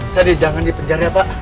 jadi jangan di penjarah pak